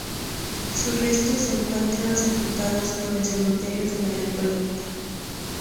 Sus restos se encuentran sepultados en el Cementerio de la Recoleta.